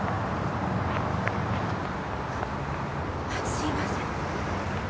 すいません。